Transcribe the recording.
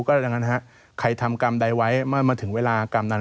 ก็ดังนั้นฮะใครทำกรรมใดไว้เมื่อมาถึงเวลากรรมนั้น